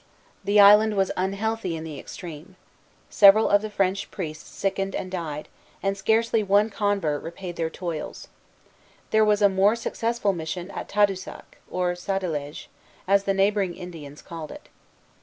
The island was unhealthy in the extreme. Several of the priests sickened and died; and scarcely one convert repaid their toils. There was a more successful mission at Tadoussac, or Sadilege, as the neighboring Indians called it.